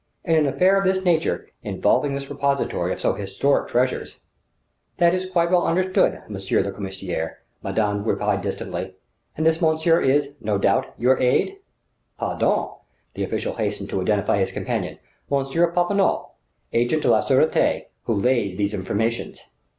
In an affair of this nature, involving this repository of so historic treasures " "That is quite well understood, monsieur le commissaire," madame replied distantly. "And this monsieur is, no doubt, your aide?" "Pardon!" the official hastened to identify his companion: "Monsieur Popinot, agent de la Sûreté, who lays these informations!"